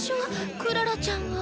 クララちゃんは。